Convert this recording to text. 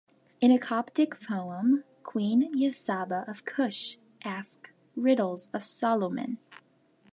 In a Coptic poem, queen Yesaba of Cush asks riddles of Solomon.